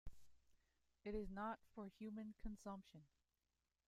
It is not for human consumption.